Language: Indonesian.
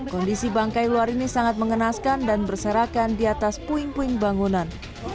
kondisi bangkai luar ini sangat mengenaskan dan berserakan di atas puing puing bangunan